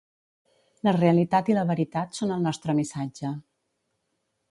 La realitat i la veritat són el nostre missatge.